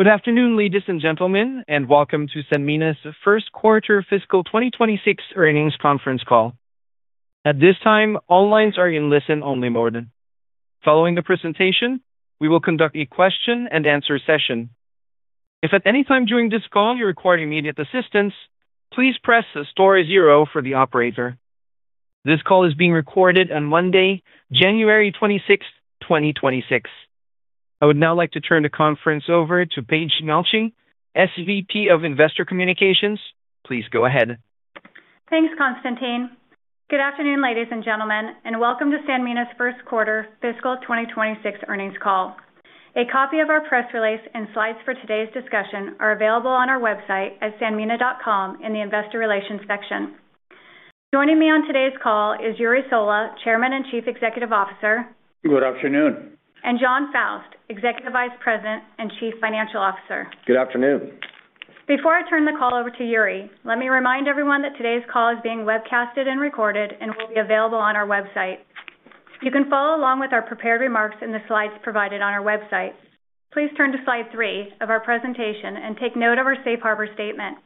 Good afternoon, ladies and gentlemen, and welcome to Sanmina's first quarter Fiscal 2026 earnings conference call. At this time, all lines are in listen only mode. Following the presentation, we will conduct a question-and-answer session. If at any time during this call you require immediate assistance, please press star zero for the operator. This call is being recorded on Monday, January 26, 2026. I would now like to turn the conference over to Paige Melching, SVP of Investor Communications. Please go ahead. Thanks, Konstantin. Good afternoon, ladies and gentlemen, and welcome to Sanmina's 1Q Fiscal 2026 earnings call. A copy of our press release and slides for today's discussion are available on our website at sanmina.com in the investor relations section. Joining me on today's call is Jure Sola, Chairman and Chief Executive Officer. Good afternoon. Jon Faust, Executive Vice President and Chief Financial Officer. Good afternoon. Before I turn the call over to Jure, let me remind everyone that today's call is being webcasted and recorded and will be available on our website. You can follow along with our prepared remarks in the slides provided on our website. Please turn to slide three of our presentation and take note of our Safe Harbor Statement.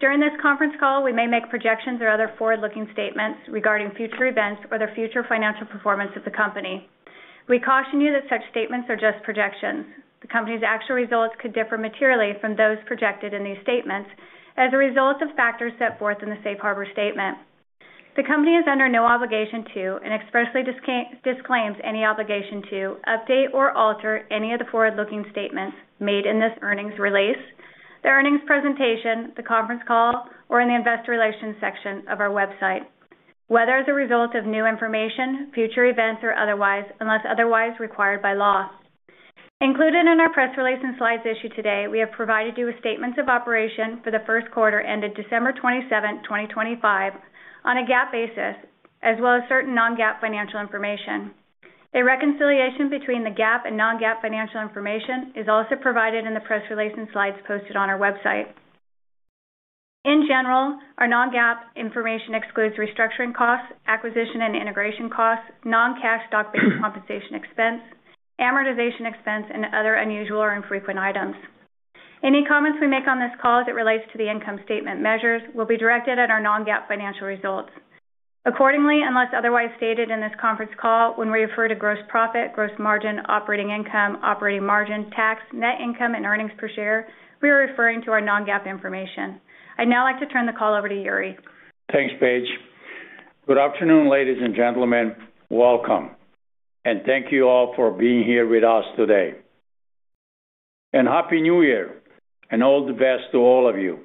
During this conference call, we may make projections or other forward-looking statements regarding future events or the future financial performance of the company. We caution you that such statements are just projections. The company's actual results could differ materially from those projected in these statements as a result of factors set forth in the Safe Harbor Statement. The company is under no obligation to, and expressly disclaims any obligation to, update or alter any of the forward-looking statements made in this earnings release, the earnings presentation, the conference call, or in the investor relations section of our website, whether as a result of new information, future events, or otherwise, unless otherwise required by law. Included in our press release and slides issued today, we have provided you with statements of operation for the first quarter ended December 27, 2025, on a GAAP basis, as well as certain non-GAAP financial information. A reconciliation between the GAAP and non-GAAP financial information is also provided in the press release and slides posted on our website. In general, our non-GAAP information excludes restructuring costs, acquisition and integration costs, non-cash stock-based compensation expense, amortization expense, and other unusual or infrequent items. Any comments we make on this call as it relates to the income statement measures will be directed at our non-GAAP financial results. Accordingly, unless otherwise stated in this conference call when we refer to gross profit, gross margin, operating income, operating margin, tax, net income, and earnings per share, we are referring to our non-GAAP information. I'd now like to turn the call over to Jure. Thanks, Paige. Good afternoon, ladies and gentlemen. Welcome, and thank you all for being here with us today. Happy New Year and all the best to all of you.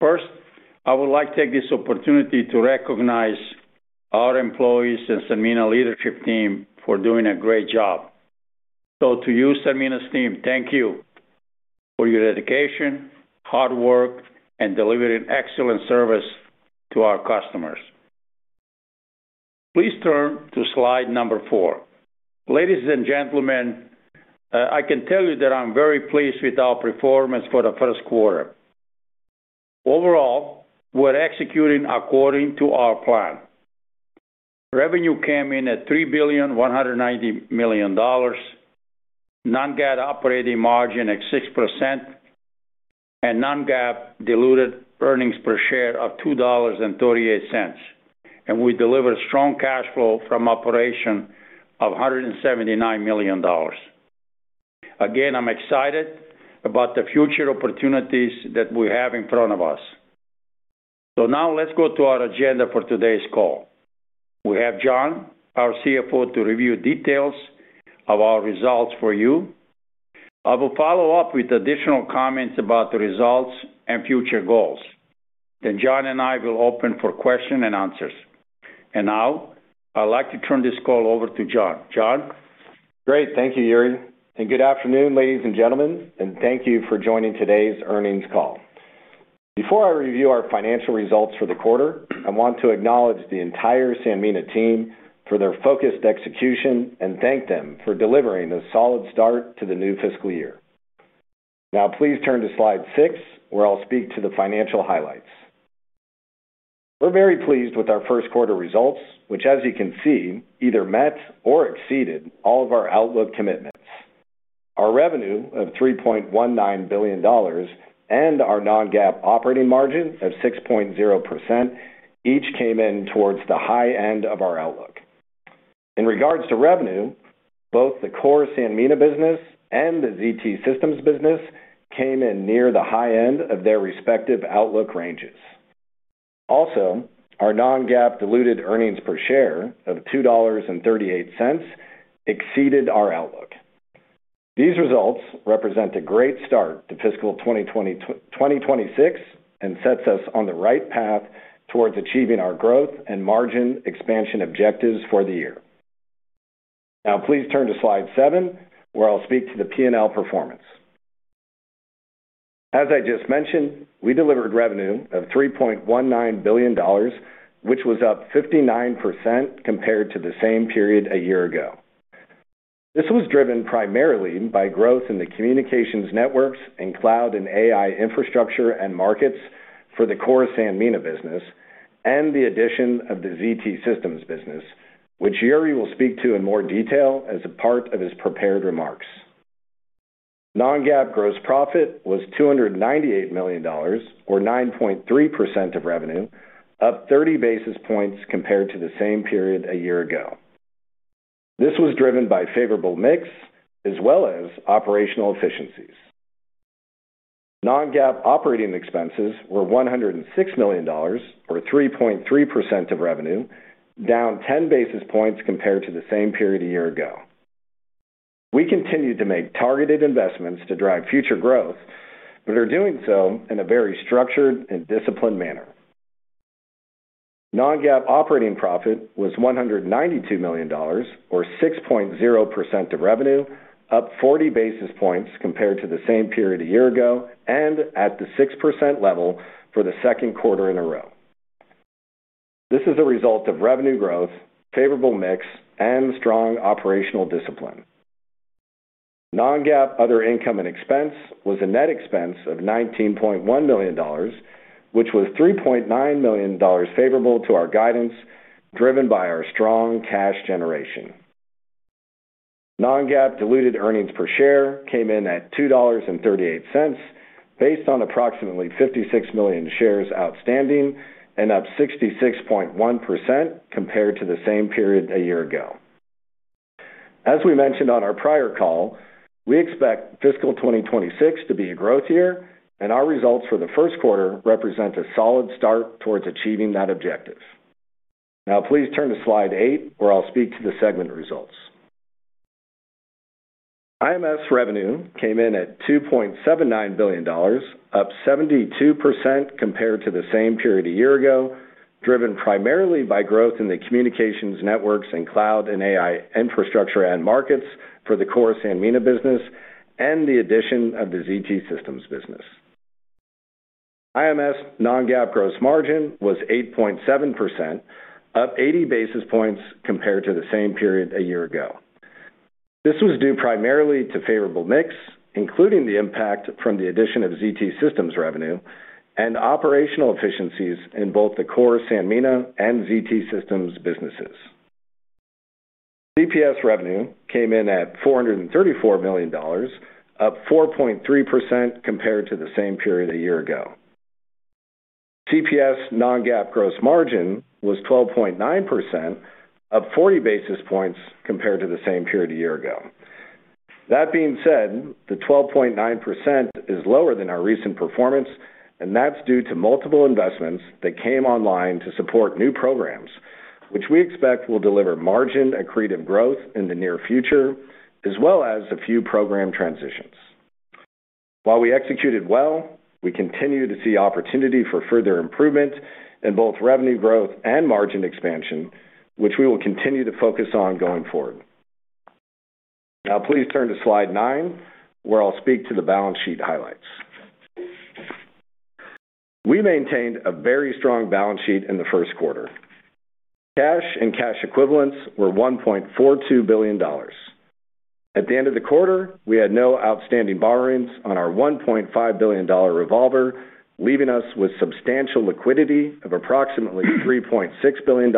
First, I would like to take this opportunity to recognize our employees and Sanmina leadership team for doing a great job. So to you, Sanmina's team, thank you for your dedication, hard work, and delivering excellent service to our customers. Please turn to slide number four. Ladies and gentlemen, I can tell you that I'm very pleased with our performance for the first quarter. Overall, we're executing according to our plan. Revenue came in at $3.19 billion non-GAAP operating margin at 6%, and non-GAAP diluted earnings per share of $2.38. We delivered strong cash flow from operation of $179 million. Again, I'm excited about the future opportunities that we have in front of us. Now let's go to our agenda for today's call. We have Jon, our CFO, to review details of our results for you. I will follow up with additional comments about the results and future goals. Jon and I will open for questions and answers. Now, I'd like to turn this call over to Jon. Jon. Great. Thank you, Jure. And good afternoon, ladies and gentlemen, and thank you for joining today's earnings call. Before I review our financial results for the quarter, I want to acknowledge the entire Sanmina team for their focused execution and thank them for delivering a solid start to the new fiscal year. Now, please turn to slide six, where I'll speak to the financial highlights. We're very pleased with our first quarter results, which, as you can see, either met or exceeded all of our outlook commitments. Our revenue of $3.19 billion and our non-GAAP operating margin of 6.0% each came in toward the high end of our outlook. In regards to revenue, both the core Sanmina business and the ZT Systems business came in near the high end of their respective outlook ranges. Also, our non-GAAP diluted earnings per share of $2.38 exceeded our outlook. These results represent a great start to fiscal 2026 and set us on the right path towards achieving our growth and margin expansion objectives for the year. Now, please turn to slide seven, where I'll speak to the P&L performance. As I just mentioned, we delivered revenue of $3.19 billion, which was up 59% compared to the same period a year ago. This was driven primarily by growth in the communications networks and cloud and AI infrastructure end markets for the core Sanmina business and the addition of the ZT Systems business, which Jure will speak to in more detail as a part of his prepared remarks. Non-GAAP gross profit was $298 million, or 9.3% of revenue, up 30 basis points compared to the same period a year ago. This was driven by favorable mix as well as operational efficiencies. Non-GAAP operating expenses were $106 million, or 3.3% of revenue, down 10 basis points compared to the same period a year ago. We continue to make targeted investments to drive future growth, but are doing so in a very structured and disciplined manner. Non-GAAP operating profit was $192 million, or 6.0% of revenue, up 40 basis points compared to the same period a year ago and at the 6% level for the second quarter in a row. This is a result of revenue growth, favorable mix, and strong operational discipline. Non-GAAP other income and expense was a net expense of $19.1 million, which was $3.9 million favorable to our guidance driven by our strong cash generation. Non-GAAP diluted earnings per share came in at $2.38 based on approximately 56 million shares outstanding and up 66.1% compared to the same period a year ago. As we mentioned on our prior call, we expect fiscal 2026 to be a growth year, and our results for the 1Q represent a solid start towards achieving that objective. Now, please turn to slide 8, where I'll speak to the segment results. IMS revenue came in at $2.79 billion, up 72% compared to the same period a year ago, driven primarily by growth in the communications networks and cloud and AI infrastructure and markets for the core Sanmina business and the addition of the ZT Systems business. IMS non-GAAP gross margin was 8.7%, up 80 basis points compared to the same period a year ago. This was due primarily to favorable mix, including the impact from the addition of ZT Systems revenue and operational efficiencies in both the core Sanmina and ZT Systems businesses. CPS revenue came in at $434 million, up 4.3% compared to the same period a year ago. CPS non-GAAP gross margin was 12.9%, up 40 basis points compared to the same period a year ago. That being said, the 12.9% is lower than our recent performance, and that's due to multiple investments that came online to support new programs, which we expect will deliver margin accretive growth in the near future, as well as a few program transitions. While we executed well, we continue to see opportunity for further improvement in both revenue growth and margin expansion, which we will continue to focus on going forward. Now, please turn to slide nine, where I'll speak to the balance sheet highlights. We maintained a very strong balance sheet in the first quarter. Cash and cash equivalents were $1.42 billion. At the end of the quarter, we had no outstanding borrowings on our $1.5 billion revolver, leaving us with substantial liquidity of approximately $3.6 billion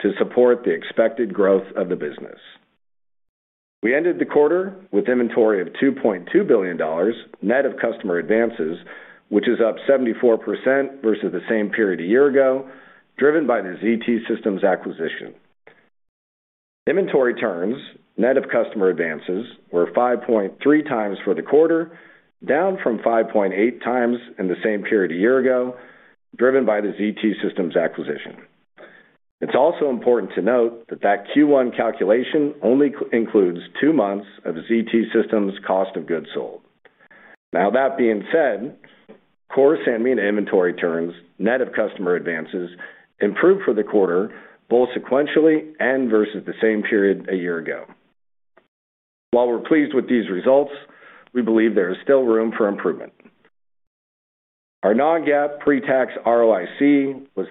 to support the expected growth of the business. We ended the quarter with inventory of $2.2 billion, net of customer advances, which is up 74% versus the same period a year ago, driven by the ZT Systems acquisition. Inventory terms, net of customer advances, were 5.3x for the quarter, down from 5.8x in the same period a year ago, driven by the ZT Systems acquisition. It's also important to note that that Q1 calculation only includes two months of ZT Systems cost of goods sold. Now, that being said, core Sanmina inventory turns, net of customer advances, improved for the quarter both sequentially and versus the same period a year ago. While we're pleased with these results, we believe there is still room for improvement. Our non-GAAP pre-tax ROIC was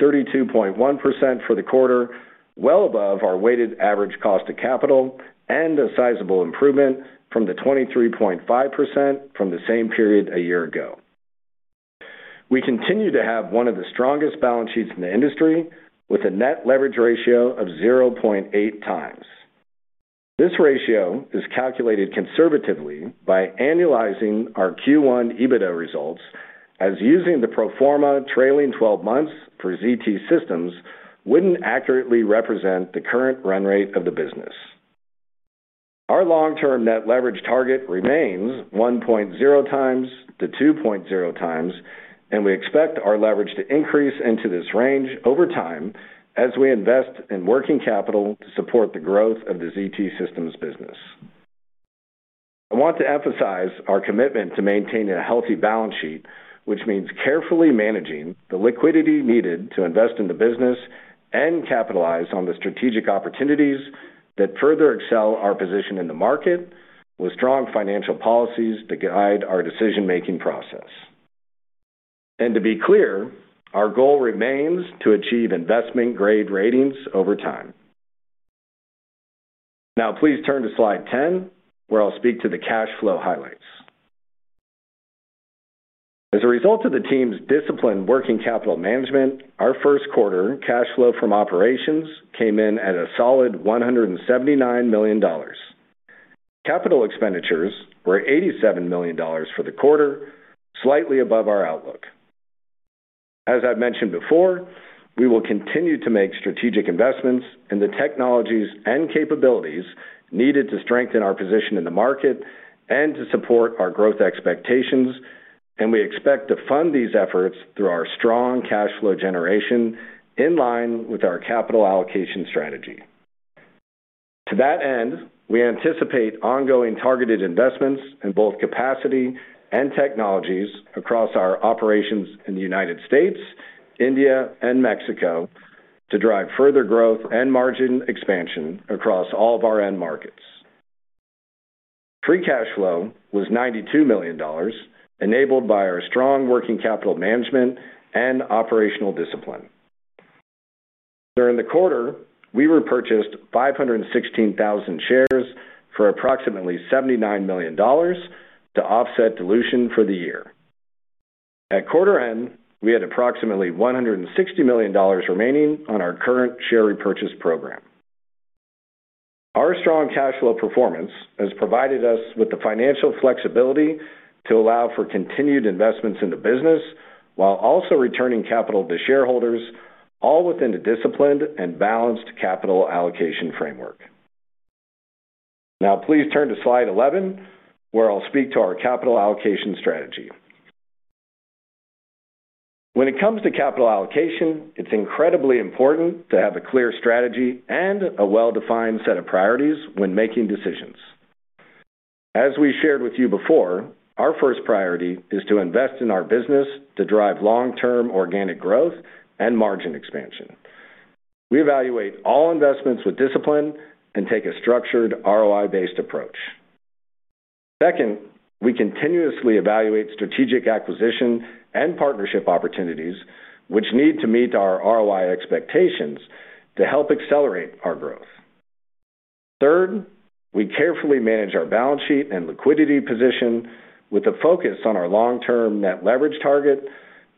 32.1% for the quarter, well above our weighted average cost of capital and a sizable improvement from the 23.5% from the same period a year ago. We continue to have one of the strongest balance sheets in the industry with a net leverage ratio of 0.8x. This ratio is calculated conservatively by annualizing our Q1 EBITDA results, as using the pro forma trailing 12 months for ZT Systems wouldn't accurately represent the current run rate of the business. Our long-term net leverage target remains 1.0x-2.0x, and we expect our leverage to increase into this range over time as we invest in working capital to support the growth of the ZT Systems business. I want to emphasize our commitment to maintaining a healthy balance sheet, which means carefully managing the liquidity needed to invest in the business and capitalize on the strategic opportunities that further excel our position in the market with strong financial policies to guide our decision-making process. To be clear, our goal remains to achieve investment-grade ratings over time. Now, please turn to slide 10, where I'll speak to the cash flow highlights. As a result of the team's disciplined working capital management, our first quarter cash flow from operations came in at a solid $179 million. Capital expenditures were $87 million for the quarter, slightly above our outlook. As I've mentioned before, we will continue to make strategic investments in the technologies and capabilities needed to strengthen our position in the market and to support our growth expectations, and we expect to fund these efforts through our strong cash flow generation in line with our capital allocation strategy. To that end, we anticipate ongoing targeted investments in both capacity and technologies across our operations in the United States, India, and Mexico to drive further growth and margin expansion across all of our end markets. Free cash flow was $92 million, enabled by our strong working capital management and operational discipline. During the quarter, we repurchased 516,000 shares for approximately $79 million to offset dilution for the year. At quarter end, we had approximately $160 million remaining on our current share repurchase program. Our strong cash flow performance has provided us with the financial flexibility to allow for continued investments in the business while also returning capital to shareholders, all within a disciplined and balanced capital allocation framework. Now, please turn to slide 11, where I'll speak to our capital allocation strategy. When it comes to capital allocation, it's incredibly important to have a clear strategy and a well-defined set of priorities when making decisions. As we shared with you before, our first priority is to invest in our business to drive long-term organic growth and margin expansion. We evaluate all investments with discipline and take a structured ROI-based approach. Second, we continuously evaluate strategic acquisition and partnership opportunities, which need to meet our ROI expectations to help accelerate our growth. Third, we carefully manage our balance sheet and liquidity position with a focus on our long-term net leverage target,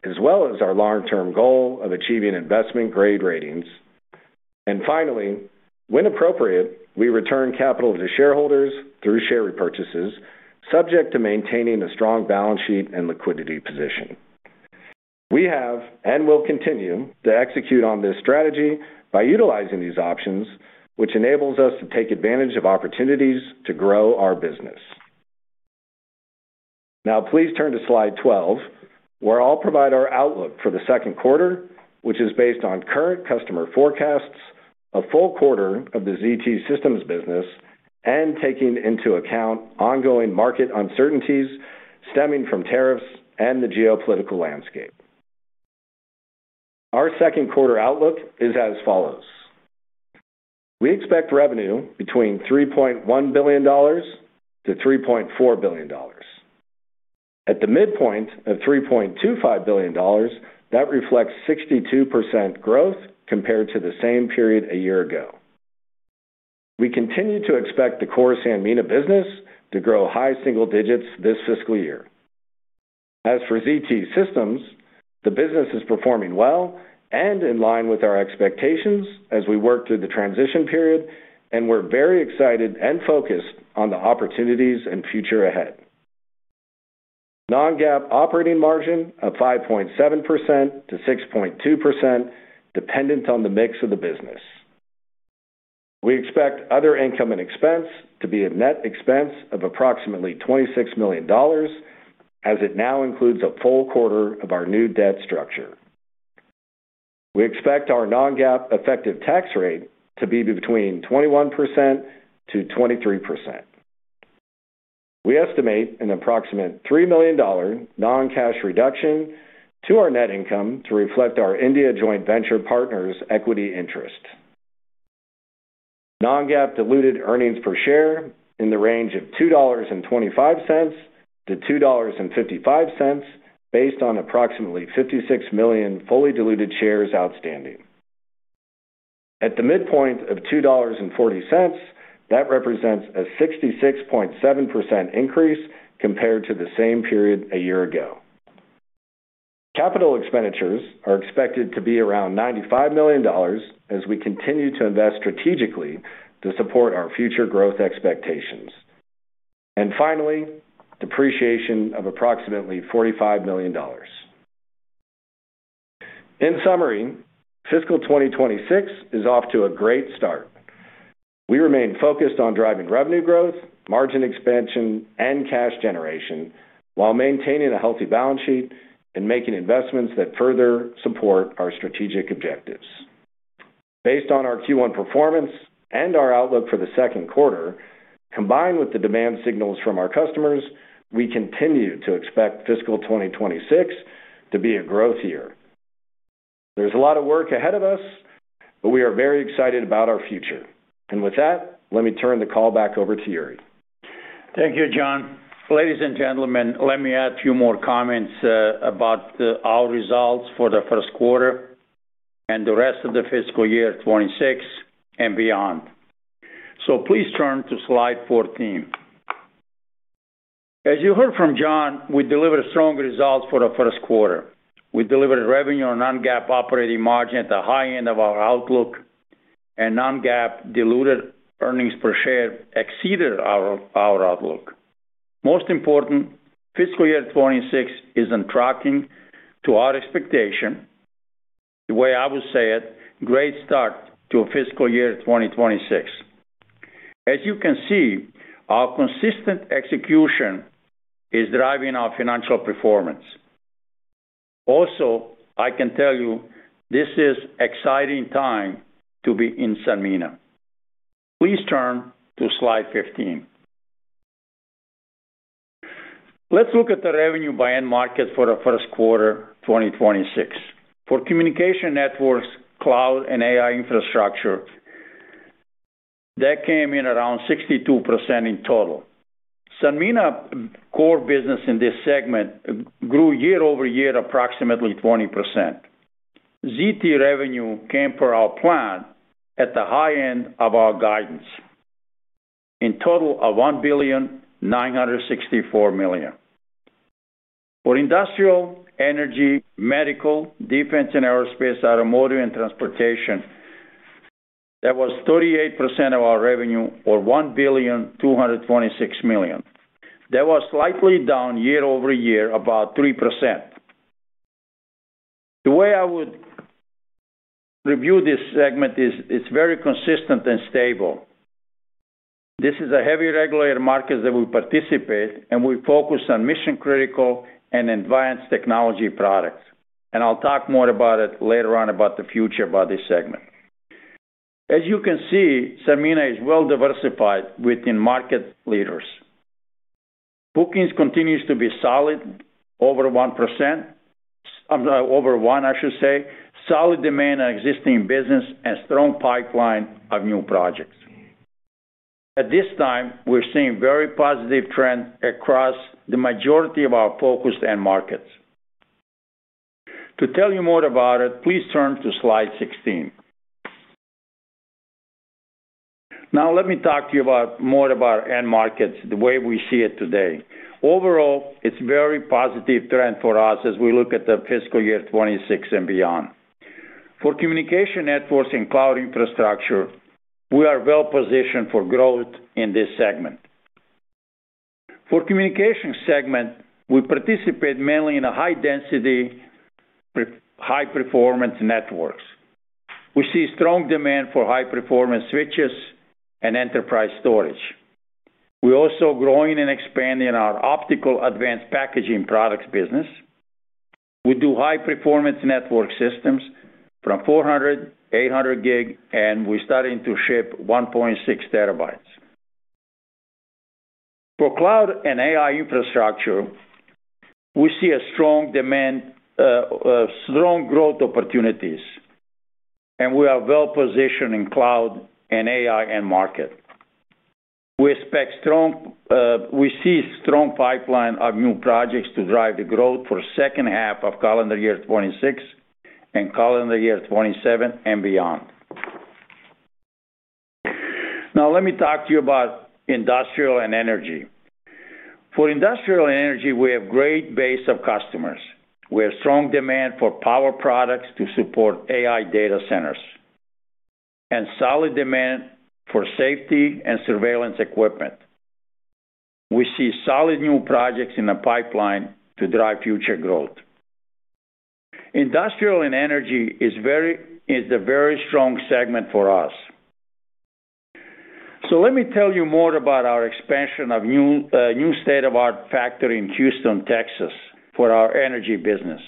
as well as our long-term goal of achieving investment-grade ratings. Finally, when appropriate, we return capital to shareholders through share repurchases, subject to maintaining a strong balance sheet and liquidity position. We have and will continue to execute on this strategy by utilizing these options, which enables us to take advantage of opportunities to grow our business. Now, please turn to slide 12, where I'll provide our outlook for the second quarter, which is based on current customer forecasts, a full quarter of the ZT Systems business, and taking into account ongoing market uncertainties stemming from tariffs and the geopolitical landscape. Our second quarter outlook is as follows. We expect revenue between $3.1 billion-$3.4 billion. At the midpoint of $3.25 billion, that reflects 62% growth compared to the same period a year ago. We continue to expect the core Sanmina business to grow high single digits this fiscal year. As for ZT Systems, the business is performing well and in line with our expectations as we work through the transition period, and we're very excited and focused on the opportunities and future ahead. Non-GAAP operating margin of 5.7%-6.2%, dependent on the mix of the business. We expect other income and expense to be a net expense of approximately $26 million, as it now includes a full quarter of our new debt structure. We expect our non-GAAP effective tax rate to be between 21%-23%. We estimate an approximate $3 million non-cash reduction to our net income to reflect our India joint venture partners' equity interest. Non-GAAP diluted earnings per share in the range of $2.25-$2.55, based on approximately 56 million fully diluted shares outstanding. At the midpoint of $2.40, that represents a 66.7% increase compared to the same period a year ago. Capital expenditures are expected to be around $95 million as we continue to invest strategically to support our future growth expectations. Finally, depreciation of approximately $45 million. In summary, fiscal 2026 is off to a great start. We remain focused on driving revenue growth, margin expansion, and cash generation while maintaining a healthy balance sheet and making investments that further support our strategic objectives. Based on our Q1 performance and our outlook for the second quarter, combined with the demand signals from our customers, we continue to expect fiscal 2026 to be a growth year. There's a lot of work ahead of us, but we are very excited about our future. And with that, let me turn the call back over to Jure. Thank you, Jon. Ladies and gentlemen, let me add a few more comments about our results for the first quarter and the rest of the fiscal year 2026 and beyond. So please turn to slide 14. As you heard from Jon, we delivered strong results for the first quarter. We delivered revenue on non-GAAP operating margin at the high end of our outlook, and non-GAAP diluted earnings per share exceeded our outlook. Most important, fiscal year 2026 is on track to our expectation. The way I would say it, great start to fiscal year 2026. As you can see, our consistent execution is driving our financial performance. Also, I can tell you this is an exciting time to be in Sanmina. Please turn to slide 15. Let's look at the revenue by end market for the first quarter 2026. For communication networks, cloud, and AI infrastructure, that came in around 62% in total. Sanmina's core business in this segment grew year-over-year approximately 20%. ZT revenue came per our plan at the high end of our guidance, in total of $1.964 billion. For industrial, energy, medical, defense, and aerospace, automotive, and transportation, that was 38% of our revenue or $1.226 billion. That was slightly down year-over-year, about 3%. The way I would review this segment is it's very consistent and stable. This is a heavily regulated market that we participate, and we focus on mission-critical and advanced technology products. I'll talk more about it later on about the future about this segment. As you can see, Sanmina is well diversified within market leaders. Bookings continues to be solid over 1%, over 1, I should say, solid demand on existing business and strong pipeline of new projects. At this time, we're seeing a very positive trend across the majority of our focused end markets. To tell you more about it, please turn to slide 16. Now, let me talk to you more about end markets the way we see it today. Overall, it's a very positive trend for us as we look at the fiscal year 2026 and beyond. For communication networks and cloud infrastructure, we are well positioned for growth in this segment. For the communication segment, we participate mainly in high-density, high-performance networks. We see strong demand for high-performance switches and enterprise storage. We're also growing and expanding our Optical advanced packaging products business. We do high-performance network systems from 400 GB, 800 GB, and we're starting to ship 1.6 TB. For cloud and AI infrastructure, we see a strong demand, strong growth opportunities, and we are well positioned in cloud and AI end market. We see a strong pipeline of new projects to drive the growth for the second half of calendar year 2026 and calendar year 2027 and beyond. Now, let me talk to you about industrial and energy. For industrial and energy, we have a great base of customers. We have strong demand for power products to support AI data centers and solid demand for safety and surveillance equipment. We see solid new projects in the pipeline to drive future growth. Industrial and energy is the very strong segment for us. So let me tell you more about our expansion of a new state-of-the-art factory in Houston, Texas, for our energy business.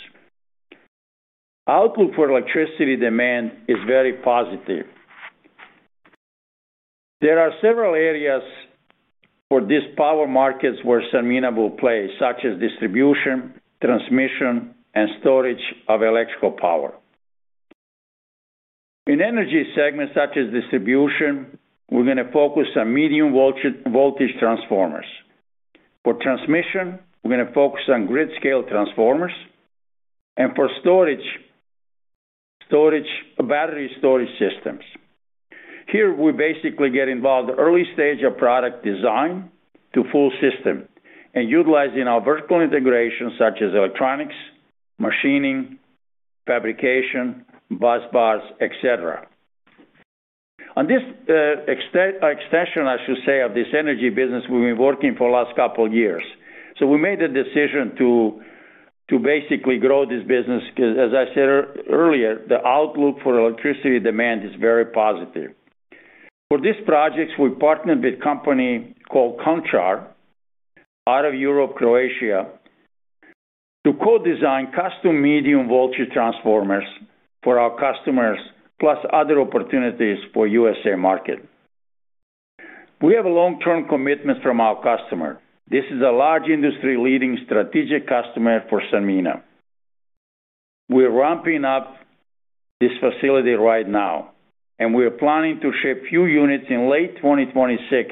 Outlook for electricity demand is very positive. There are several areas for these power markets where Sanmina will play, such as distribution, transmission, and storage of electrical power. In the energy segment, such as distribution, we're going to focus on medium voltage transformers. For transmission, we're going to focus on grid-scale transformers. And for storage, battery storage systems. Here, we basically get involved in the early stage of product design to full system and utilizing our vertical integration, such as electronics, machining, fabrication, bus bars, etc. On this extension, I should say, of this energy business, we've been working for the last couple of years. So we made the decision to basically grow this business because, as I said earlier, the outlook for electricity demand is very positive. For these projects, we partnered with a company called KONČAR, out of Europe, Croatia, to co-design custom medium voltage transformers for our customers, plus other opportunities for the USA market. We have a long-term commitment from our customer. This is a large industry-leading strategic customer for Sanmina. We're ramping up this facility right now, and we're planning to ship a few units in late 2026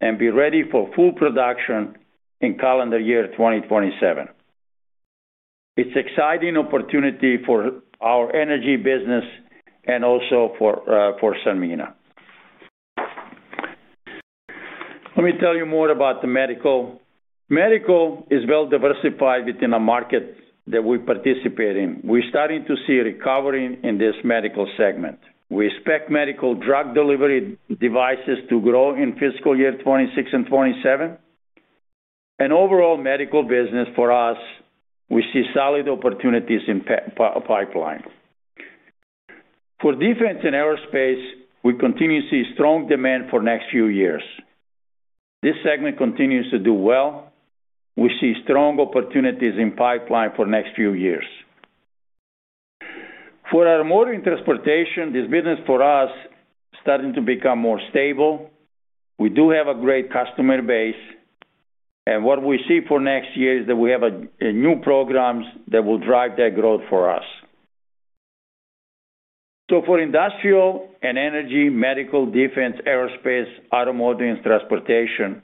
and be ready for full production in calendar year 2027. It's an exciting opportunity for our energy business and also for Sanmina. Let me tell you more about the medical. Medical is well diversified within a market that we participate in. We're starting to see a recovery in this medical segment. We expect medical drug delivery devices to grow in fiscal year 2026 and 2027. Overall, medical business for us, we see solid opportunities in the pipeline. For defense and aerospace, we continue to see strong demand for the next few years. This segment continues to do well. We see strong opportunities in the pipeline for the next few years. For our automotive, this business for us is starting to become more stable. We do have a great customer base. What we see for next year is that we have new programs that will drive that growth for us. For industrial and energy, medical, defense, aerospace, automotive, and transportation,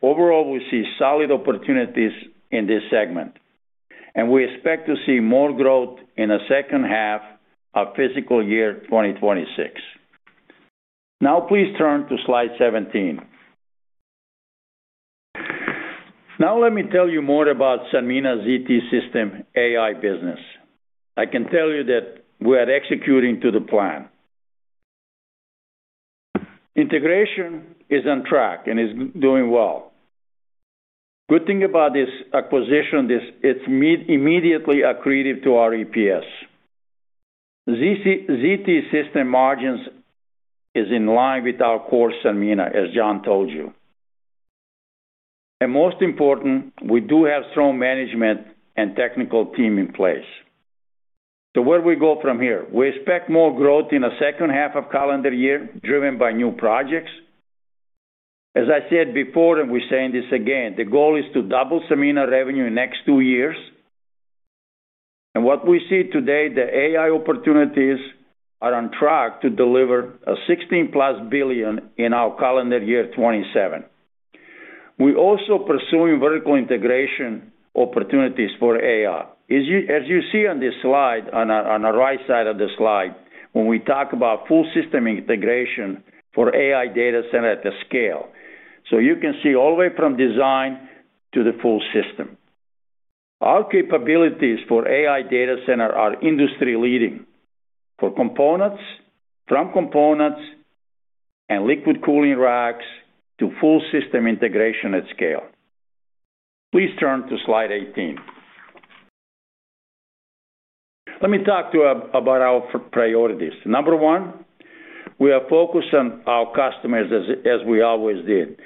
overall, we see solid opportunities in this segment. We expect to see more growth in the second half of fiscal year 2026. Now, please turn to slide 17. Now, let me tell you more about Sanmina's ZT Systems AI business. I can tell you that we are executing to the plan. Integration is on track and is doing well. The good thing about this acquisition is it's immediately accretive to our EPS. ZT Systems margins are in line with our core Sanmina, as Jon told you. And most important, we do have strong management and technical team in place. So where do we go from here? We expect more growth in the second half of the calendar year, driven by new projects. As I said before, and we're saying this again, the goal is to double Sanmina revenue in the next two years. And what we see today, the AI opportunities are on track to deliver $16+ billion in our calendar year 2027. We're also pursuing vertical integration opportunities for AI. As you see on this slide, on the right side of the slide, when we talk about full system integration for AI data center at the scale. So you can see all the way from design to the full system. Our capabilities for AI data center are industry-leading, from components and liquid cooling racks to full system integration at scale. Please turn to slide 18. Let me talk to you about our priorities. Number one, we are focused on our customers as we always did.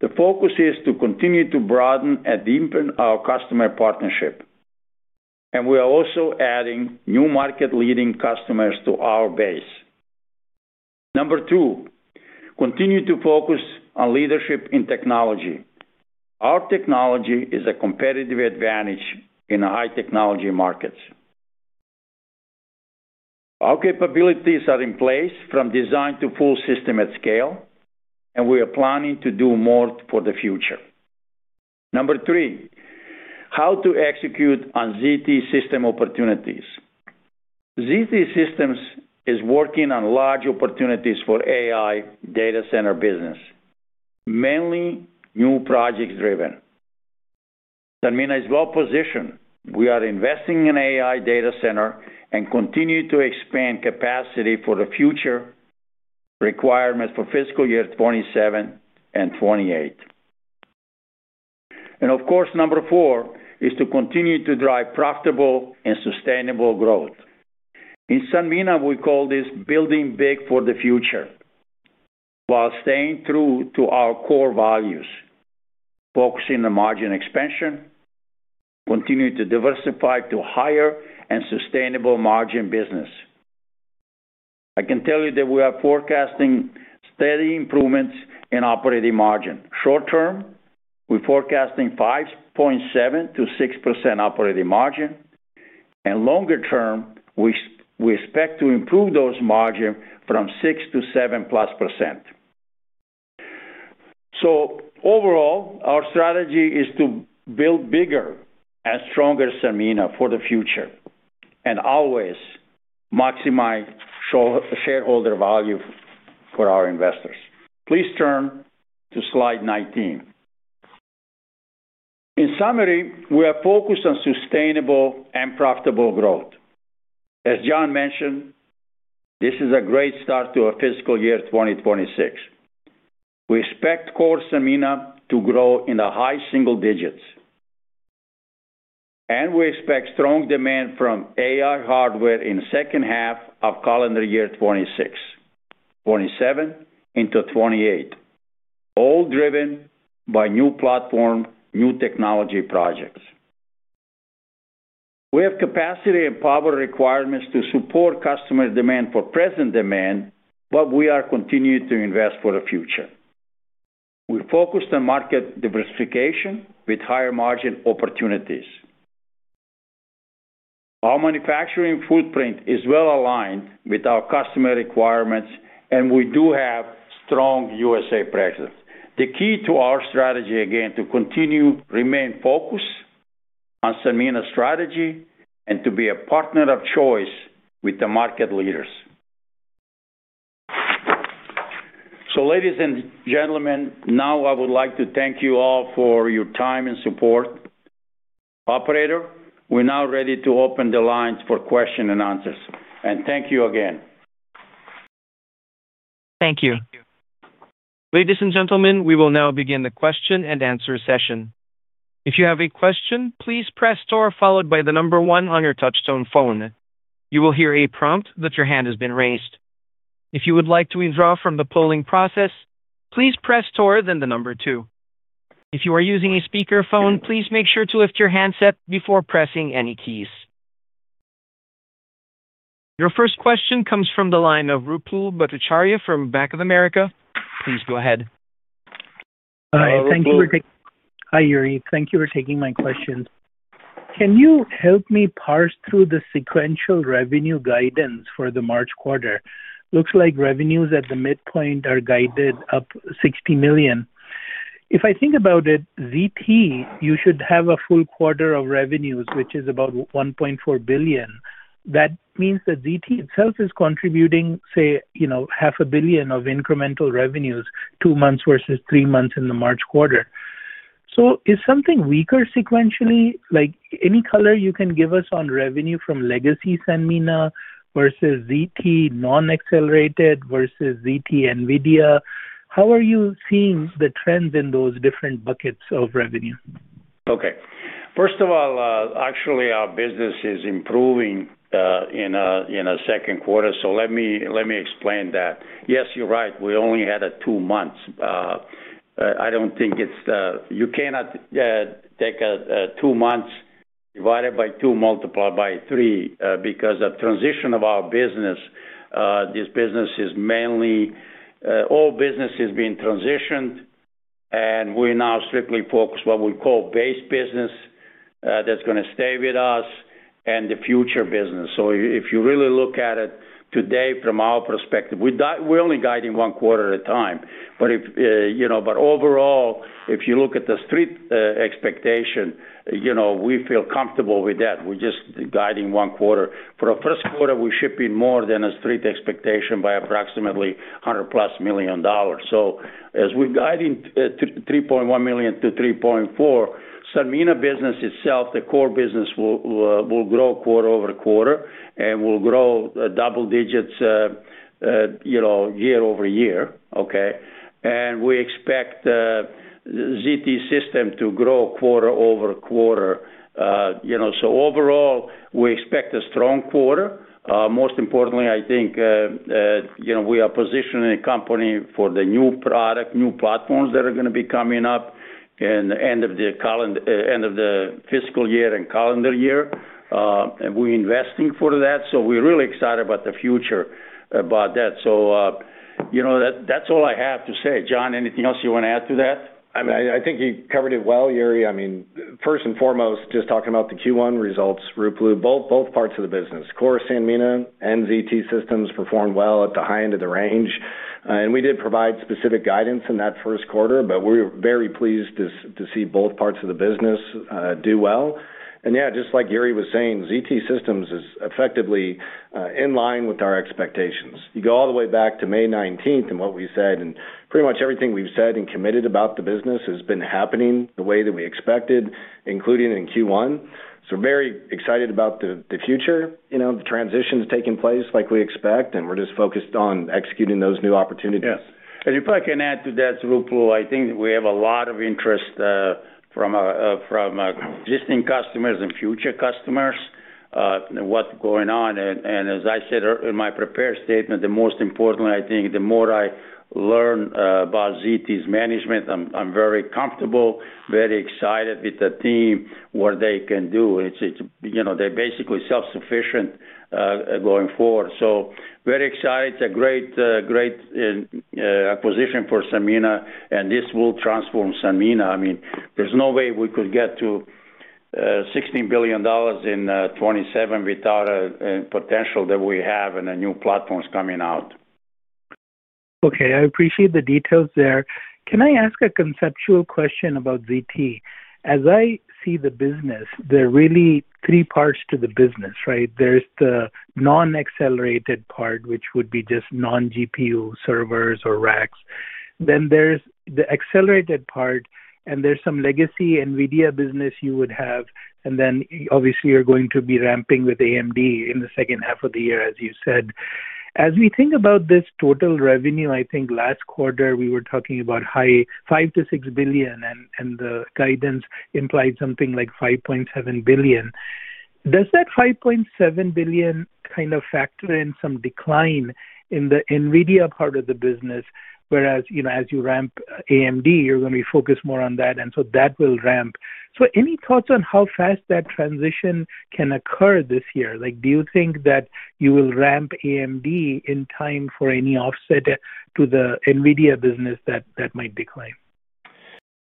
The focus is to continue to broaden and deepen our customer partnership. We are also adding new market-leading customers to our base. Number two, continue to focus on leadership in technology. Our technology is a competitive advantage in high-technology markets. Our capabilities are in place, from design to full system at scale, and we are planning to do more for the future. Number three, how to execute on ZT Systems opportunities. ZT Systems is working on large opportunities for AI data center business, mainly new projects driven. Sanmina is well positioned. We are investing in an AI data center and continue to expand capacity for the future requirements for fiscal year 2027 and 2028. Of course, number four is to continue to drive profitable and sustainable growth. In Sanmina, we call this building big for the future while staying true to our core values, focusing on margin expansion, continuing to diversify to higher and sustainable margin business. I can tell you that we are forecasting steady improvements in operating margin. Short term, we're forecasting 5.7%-6% operating margin. Longer term, we expect to improve those margins from 6%-7%+. Overall, our strategy is to build bigger and stronger Sanmina for the future and always maximize shareholder value for our investors. Please turn to slide 19. In summary, we are focused on sustainable and profitable growth. As Jon mentioned, this is a great start to fiscal year 2026. We expect core Sanmina to grow in the high single digits. We expect strong demand from AI hardware in the second half of calendar year 2026, 2027 into 2028, all driven by new platform, new technology projects. We have capacity and power requirements to support customer demand for present demand, but we are continuing to invest for the future. We're focused on market diversification with higher margin opportunities. Our manufacturing footprint is well aligned with our customer requirements, and we do have strong USA presence. The key to our strategy, again, is to continue to remain focused on Sanmina strategy and to be a partner of choice with the market leaders. So ladies and gentlemen, now I would like to thank you all for your time and support. Operator, we're now ready to open the lines for questions and answers. Thank you again. Thank you. Ladies and gentlemen, we will now begin the question and answer session. If you have a question, please press star followed by the number one on your touch-tone phone. You will hear a prompt that your hand has been raised. If you would like to withdraw from the polling process, please press star then the number two. If you are using a speakerphone, please make sure to lift your handset before pressing any keys. Your first question comes from the line of Ruplu Bhattacharya from Bank of America. Please go ahead. Hi, Jure. Thank you for taking my question. Can you help me parse through the sequential revenue guidance for the March quarter? Looks like revenues at the midpoint are guided up $60 million. If I think about it, ZT, you should have a full quarter of revenues, which is about $1.4 billion. That means that ZT itself is contributing, say, $500 million of incremental revenues, two months versus three months in the March quarter. So is something weaker sequentially, like any color you can give us on revenue from legacy Sanmina versus ZT non-accelerated versus ZT NVIDIA? How are you seeing the trends in those different buckets of revenue? Okay. First of all, actually, our business is improving in the second quarter. So let me explain that. Yes, you're right. We only had two months. I don't think it's. You cannot take two months divided by two, multiplied by three because of the transition of our business. This business is mainly, all business is being transitioned, and we now strictly focus on what we call base business that's going to stay with us and the future business. So if you really look at it today, from our perspective, we're only guiding one quarter at a time. But overall, if you look at the street expectation, we feel comfortable with that. We're just guiding one quarter. For the first quarter, we're shipping more than a street expectation by approximately $100+ million. So as we're guiding $3.1 million-$3.4 million, Sanmina business itself, the core business, will grow quarter-over-quarter and will grow double digits year-over-year, okay? And we expect ZT Systems to grow quarter-over-quarter. So overall, we expect a strong quarter. Most importantly, I think we are positioning the company for the new product, new platforms that are going to be coming up in the end of the fiscal year and calendar year. And we're investing for that. So we're really excited about the future about that. So that's all I have to say. Jon, anything else you want to add to that? I think you covered it well, Jure. I mean, first and foremost, just talking about the Q1 results, Ruplu, both parts of the business, core Sanmina and ZT Systems performed well at the high end of the range. We did provide specific guidance in that first quarter, but we're very pleased to see both parts of the business do well. Yeah, just like Jure was saying, ZT Systems is effectively in line with our expectations. You go all the way back to May 19th and what we said, and pretty much everything we've said and committed about the business has been happening the way that we expected, including in Q1. We're very excited about the future. The transition is taking place like we expect, and we're just focused on executing those new opportunities. Yes. And if I can add to that, Ruplu, I think we have a lot of interest from existing customers and future customers in what's going on. And as I said in my prepared statement, the most importantly, I think the more I learn about ZT's management, I'm very comfortable, very excited with the team, what they can do. They're basically self-sufficient going forward. So very excited. It's a great acquisition for Sanmina, and this will transform Sanmina. I mean, there's no way we could get to $16 billion in 2027 without the potential that we have and the new platforms coming out. Okay. I appreciate the details there. Can I ask a conceptual question about ZT? As I see the business, there are really three parts to the business, right? There's the non-accelerated part, which would be just non-GPU servers or racks. Then there's the accelerated part, and there's some legacy NVIDIA business you would have. And then, obviously, you're going to be ramping with AMD in the second half of the year, as you said. As we think about this total revenue, I think last quarter we were talking about high $5-$6 billion, and the guidance implied something like $5.7 billion. Does that $5.7 billion kind of factor in some decline in the NVIDIA part of the business? Whereas as you ramp AMD, you're going to be focused more on that, and so that will ramp. So any thoughts on how fast that transition can occur this year? Do you think that you will ramp AMD in time for any offset to the NVIDIA business that might decline?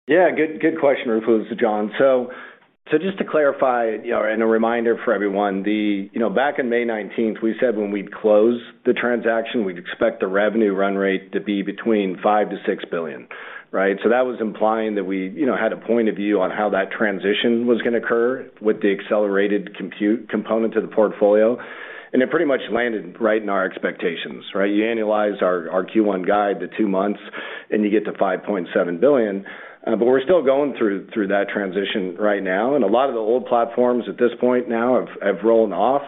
Yeah. Good question, Ruplu, Jon. So just to clarify and a reminder for everyone, back on May 19th, we said when we'd close the transaction, we'd expect the revenue run rate to be between $5 billion-$6 billion, right? So that was implying that we had a point of view on how that transition was going to occur with the accelerated compute component to the portfolio. And it pretty much landed right in our expectations, right? You annualize our Q1 guide to two months, and you get to $5.7 billion. But we're still going through that transition right now. And a lot of the old platforms at this point now have rolled off.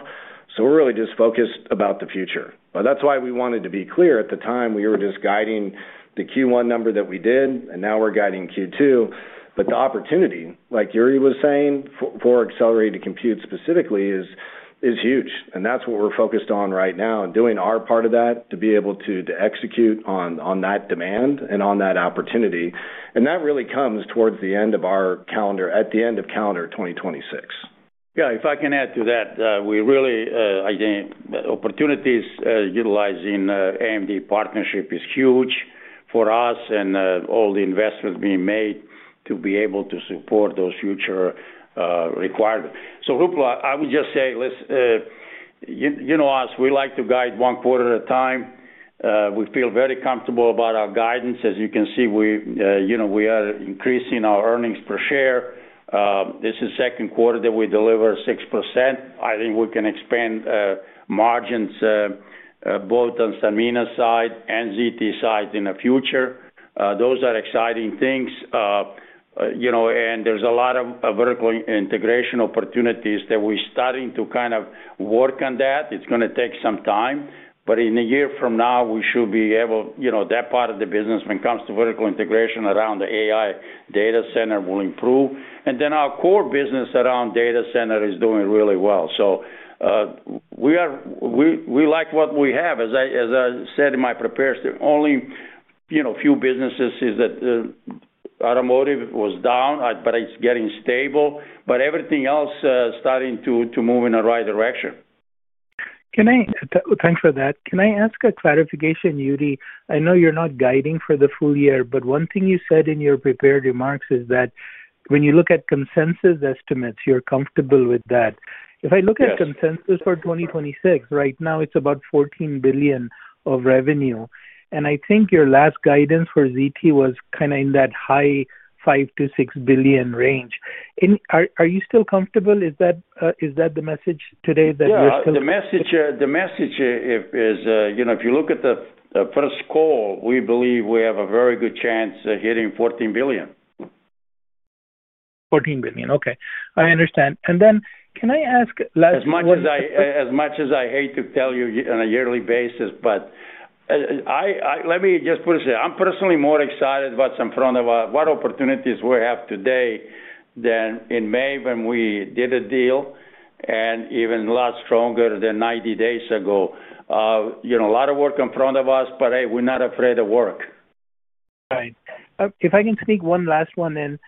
So we're really just focused about the future. But that's why we wanted to be clear. At the time, we were just guiding the Q1 number that we did, and now we're guiding Q2. The opportunity, like Jure was saying, for accelerated compute specifically is huge. That's what we're focused on right now and doing our part of that to be able to execute on that demand and on that opportunity. That really comes towards the end of our calendar, at the end of calendar 2026. Yeah. If I can add to that, we really, I think opportunities utilizing AMD partnership is huge for us and all the investment being made to be able to support those future requirements. So Ruplu, I would just say, you know us, we like to guide one quarter at a time. We feel very comfortable about our guidance. As you can see, we are increasing our earnings per share. This is the second quarter that we deliver 6%. I think we can expand margins both on Sanmina side and ZT side in the future. Those are exciting things. And there's a lot of vertical integration opportunities that we're starting to kind of work on that. It's going to take some time. But in a year from now, we should be able, that part of the business when it comes to vertical integration around the AI data center will improve. Then our core business around data center is doing really well. We like what we have. As I said in my prepared statement, only a few businesses is that automotive was down, but it's getting stable. Everything else is starting to move in the right direction. Thanks for that. Can I ask a clarification, Jure? I know you're not guiding for the full year, but one thing you said in your prepared remarks is that when you look at consensus estimates, you're comfortable with that. If I look at consensus for 2026, right now it's about $14 billion of revenue. And I think your last guidance for ZT was kind of in that high $5 billion-$6 billion range. Are you still comfortable? Is that the message today that you're still? Yeah. The message is, if you look at the first call, we believe we have a very good chance of hitting $14 billion. $14 billion. Okay. I understand. And then can I ask last question? As much as I hate to tell you on a yearly basis, but let me just put it this way. I'm personally more excited what's in front of us, what opportunities we have today than in May when we did a deal and even a lot stronger than 90 days ago. A lot of work in front of us, but we're not afraid of work. Right. If I can speak one last one then.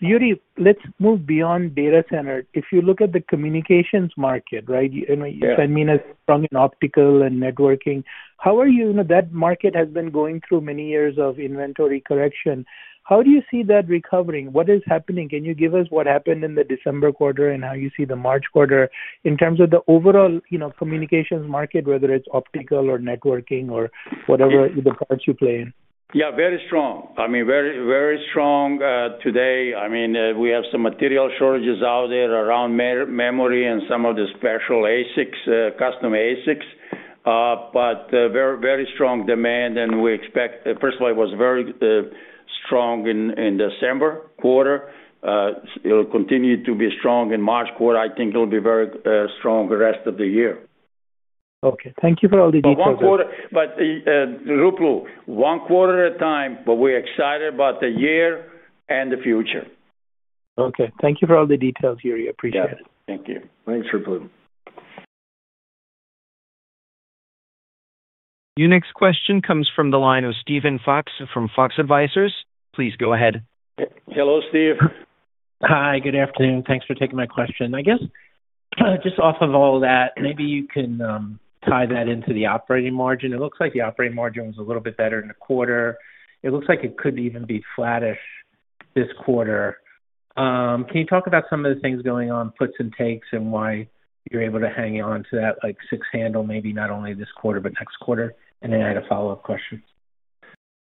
Jure, let's move beyond data center. If you look at the communications market, right? Sanmina is strong in optical and networking. How are you? That market has been going through many years of inventory correction. How do you see that recovering? What is happening? Can you give us what happened in the December quarter and how you see the March quarter in terms of the overall communications market, whether it's optical or networking or whatever the parts you play in? Yeah. Very strong. I mean, very strong today. I mean, we have some material shortages out there around memory and some of the special ASICs, custom ASICs. But very strong demand. And we expect, first of all, it was very strong in December quarter. It'll continue to be strong in March quarter. I think it'll be very strong the rest of the year. Okay. Thank you for all the details. But Ruplu, one quarter at a time, but we're excited about the year and the future. Okay. Thank you for all the details, Jure. Appreciate it. Thank you. Thanks, Ruplu. Your next question comes from the line of Steven Fox from Fox Advisors. Please go ahead. Hello, Steve. Hi. Good afternoon. Thanks for taking my question. I guess just off of all that, maybe you can tie that into the operating margin. It looks like the operating margin was a little bit better in the quarter. It looks like it could even be flattish this quarter. Can you talk about some of the things going on, puts and takes, and why you're able to hang on to that six-handle, maybe not only this quarter but next quarter? And then I had a follow-up question.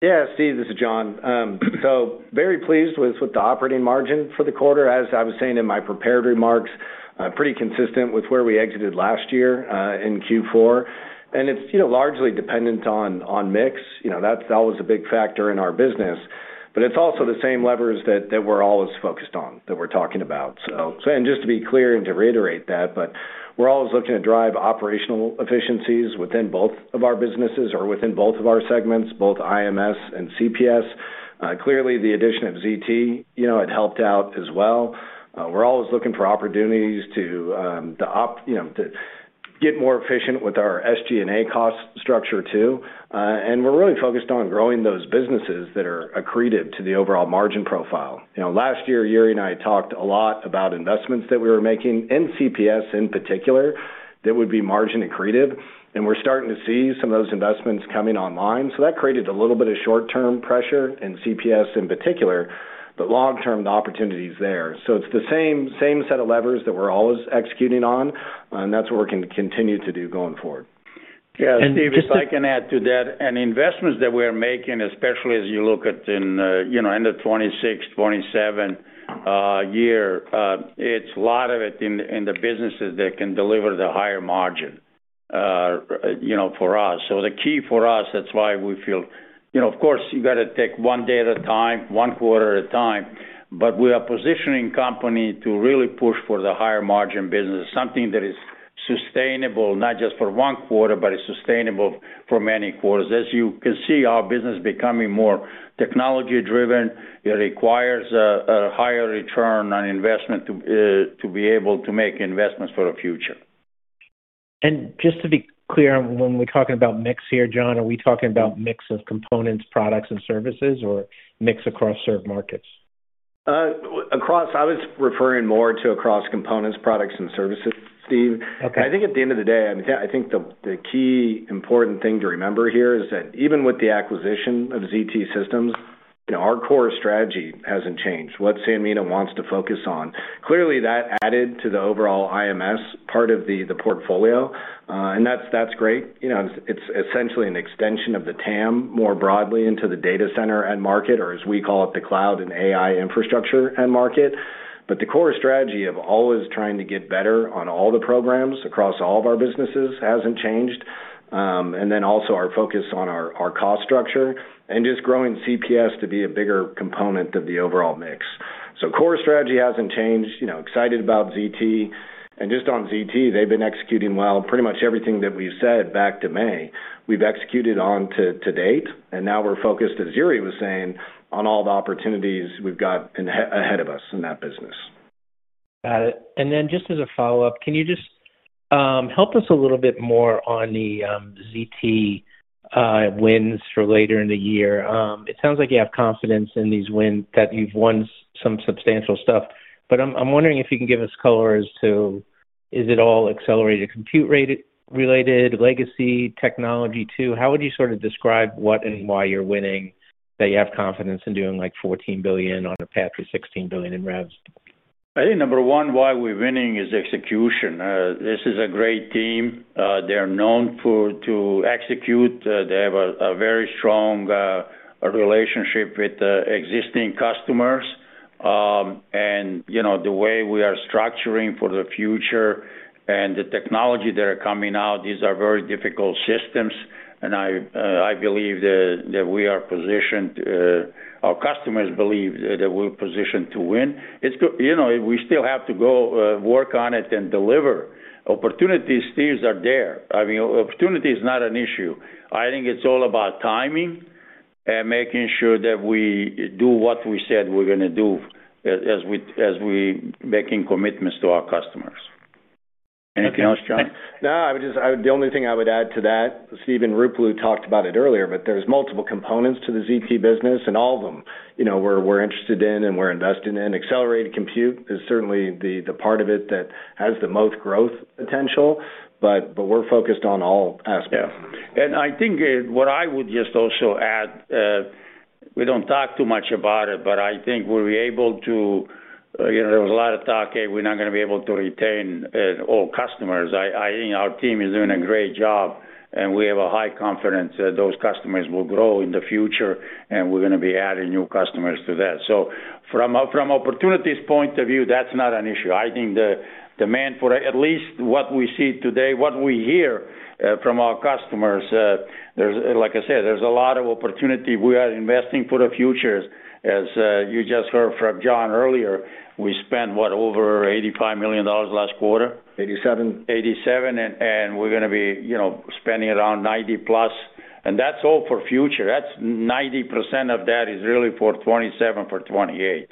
Yeah. Steve, this is Jon. So very pleased with the operating margin for the quarter. As I was saying in my prepared remarks, pretty consistent with where we exited last year in Q4. And it's largely dependent on mix. That was a big factor in our business. But it's also the same levers that we're always focused on that we're talking about. And just to be clear and to reiterate that, but we're always looking to drive operational efficiencies within both of our businesses or within both of our segments, both IMS and CPS. Clearly, the addition of ZT had helped out as well. We're always looking for opportunities to get more efficient with our SG&A cost structure too. And we're really focused on growing those businesses that are accretive to the overall margin profile. Last year, Jure and I talked a lot about investments that we were making in CPS in particular that would be margin accretive. And we're starting to see some of those investments coming online. So that created a little bit of short-term pressure in CPS in particular, but long-term, the opportunity is there. So it's the same set of levers that we're always executing on. And that's what we're going to continue to do going forward. Yeah. Just. And Steve. If I can add to that, and investments that we are making, especially as you look at the end of 2026, 2027 year, it's a lot of it in the businesses that can deliver the higher margin for us. So the key for us, that's why we feel, of course, you got to take one day at a time, one quarter at a time. But we are positioning the company to really push for the higher margin business, something that is sustainable, not just for one quarter, but it's sustainable for many quarters. As you can see, our business is becoming more technology-driven. It requires a higher return on investment to be able to make investments for the future. Just to be clear, when we're talking about mix here, Jon, are we talking about mix of components, products, and services, or mix across certain markets? I was referring more to across components, products, and services, Steve. I think at the end of the day, I think the key important thing to remember here is that even with the acquisition of ZT Systems, our core strategy hasn't changed. What Sanmina wants to focus on, clearly that added to the overall IMS part of the portfolio. And that's great. It's essentially an extension of the TAM more broadly into the data center and market, or as we call it, the cloud and AI infrastructure and market. But the core strategy of always trying to get better on all the programs across all of our businesses hasn't changed. And then also our focus on our cost structure and just growing CPS to be a bigger component of the overall mix. So core strategy hasn't changed. Excited about ZT. And just on ZT, they've been executing well. Pretty much everything that we've said back to May, we've executed on to date. Now we're focused, as Jure was saying, on all the opportunities we've got ahead of us in that business. Got it. And then just as a follow-up, can you just help us a little bit more on the ZT wins for later in the year? It sounds like you have confidence in these wins that you've won some substantial stuff. But I'm wondering if you can give us colors to, is it all accelerated compute-related, legacy technology too? How would you sort of describe what and why you're winning that you have confidence in doing like $14 billion on a path to $16 billion in revs? I think number one, why we're winning is execution. This is a great team. They're known to execute. They have a very strong relationship with existing customers. And the way we are structuring for the future and the technology that are coming out, these are very difficult systems. And I believe that we are positioned. Our customers believe that we're positioned to win. We still have to go work on it and deliver. Opportunities, Steve, are there. I mean, opportunity is not an issue. I think it's all about timing and making sure that we do what we said we're going to do as we're making commitments to our customers. Anything else, Jon? No, the only thing I would add to that, Steven, Ruplu talked about it earlier, but there's multiple components to the ZT business, and all of them we're interested in and we're investing in. Accelerated compute is certainly the part of it that has the most growth potential. But we're focused on all aspects. Yeah. And I think what I would just also add, we don't talk too much about it, but I think we're able to. There was a lot of talk, "Hey, we're not going to be able to retain all customers." I think our team is doing a great job, and we have a high confidence that those customers will grow in the future, and we're going to be adding new customers to that. So from an opportunity point of view, that's not an issue. I think the demand for at least what we see today, what we hear from our customers, like I said, there's a lot of opportunity. We are investing for the future. As you just heard from Jon earlier, we spent, what, over $85 million last quarter? 87. 87. We're going to be spending around $90+. That's all for future. That's 90% of that is really for 2027, for 2028.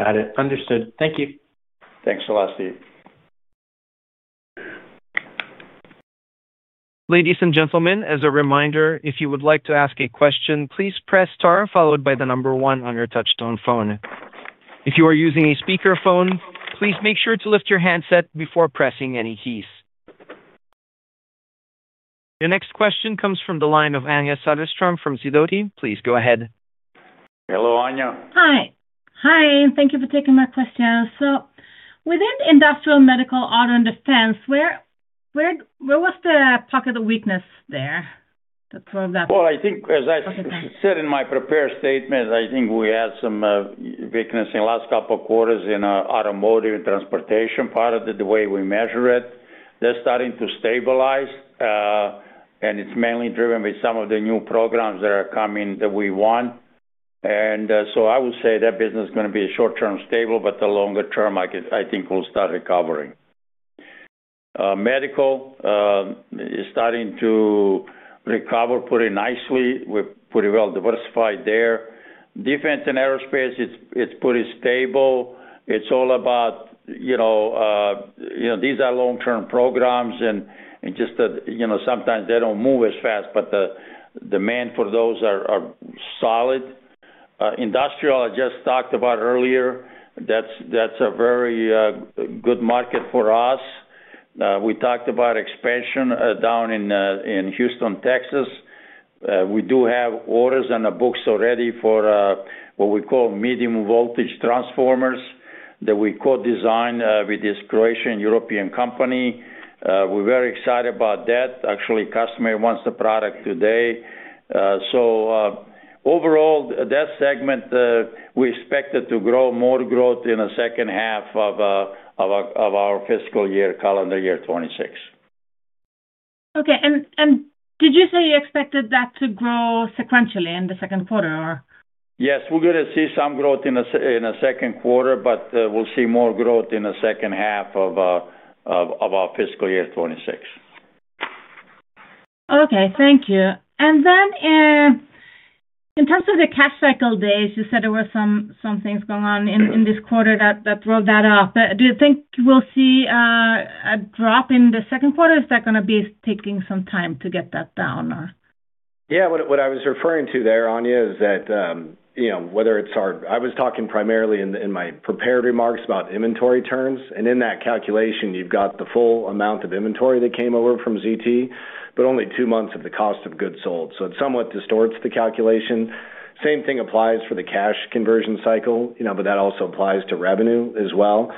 Got it. Understood. Thank you. Thanks a lot, Steve. Ladies and gentlemen, as a reminder, if you would like to ask a question, please press star followed by the number one on your touch-tone phone. If you are using a speakerphone, please make sure to lift your handset before pressing any keys. Your next question comes from the line of Anja Soderstrom from Sidoti. Please go ahead. Hello, Anja. Hi. Hi. Thank you for taking my question. So within industrial medical auto and defense, where was the pocket of weakness there? That's all that. Well, I think as I said in my prepared statement, I think we had some weakness in the last couple of quarters in automotive and transportation, part of the way we measure it. They're starting to stabilize. And it's mainly driven by some of the new programs that are coming that we want. And so I would say that business is going to be short-term stable, but the longer term, I think we'll start recovering. Medical is starting to recover pretty nicely. We're pretty well diversified there. Defense and aerospace, it's pretty stable. It's all about these are long-term programs. And just sometimes they don't move as fast, but the demand for those are solid. Industrial, I just talked about earlier. That's a very good market for us. We talked about expansion down in Houston, Texas. We do have orders on the books already for what we call medium voltage transformers that we co-designed with this Croatian European company. We're very excited about that. Actually, customer wants the product today. So overall, that segment, we expect it to grow more growth in the second half of our fiscal year, calendar year 2026. Okay. Did you say you expected that to grow sequentially in the second quarter or? Yes. We're going to see some growth in the second quarter, but we'll see more growth in the second half of our fiscal year 2026. Okay. Thank you. And then in terms of the cash cycle days, you said there were some things going on in this quarter that rolled that up. Do you think we'll see a drop in the second quarter? Is that going to be taking some time to get that down or? Yeah. What I was referring to there, Anja, is that whether it's our, I was talking primarily in my prepared remarks about inventory turns. And in that calculation, you've got the full amount of inventory that came over from ZT, but only 2 months of the cost of goods sold. So it somewhat distorts the calculation. Same thing applies for the cash conversion cycle, but that also applies to revenue as well.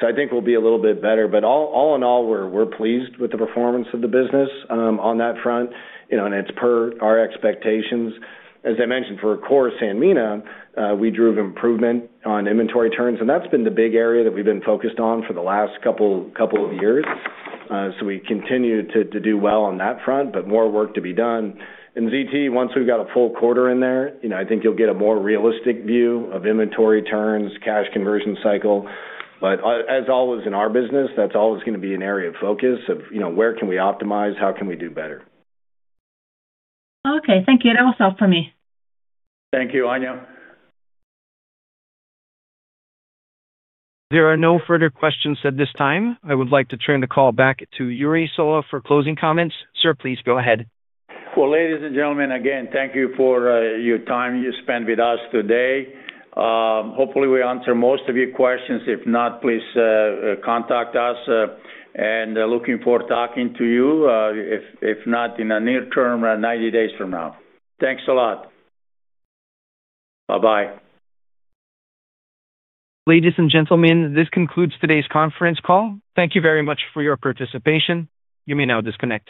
So I think we'll be a little bit better. But all in all, we're pleased with the performance of the business on that front. And it's per our expectations. As I mentioned, for Core Sanmina, we drove improvement on inventory turns. And that's been the big area that we've been focused on for the last couple of years. So we continue to do well on that front, but more work to be done. ZT, once we've got a full quarter in there, I think you'll get a more realistic view of inventory turns, cash conversion cycle. As always in our business, that's always going to be an area of focus of where can we optimize, how can we do better. Okay. Thank you. That was all for me. Thank you, Anja. There are no further questions at this time. I would like to turn the call back to Jure Sola for closing comments. Sir, please go ahead. Well, ladies and gentlemen, again, thank you for your time you spent with us today. Hopefully, we answered most of your questions. If not, please contact us. Looking forward to talking to you, if not in the near term, 90 days from now. Thanks a lot. Bye-bye. Ladies and gentlemen, this concludes today's conference call. Thank you very much for your participation. You may now disconnect.